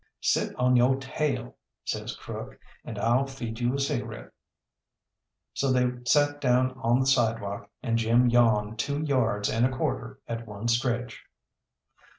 "Sit on yo' tail," says Crook, "and I'll feed you a cigarette." So they sat down on the sidewalk, and Jim yawned two yards and a quarter at one stretch.